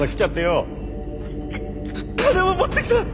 金は持ってきた！